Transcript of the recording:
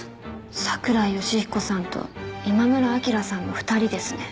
桜井義彦さんと今村明さんの２人ですね。